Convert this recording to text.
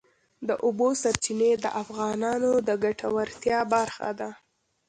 د اوبو سرچینې د افغانانو د ګټورتیا برخه ده.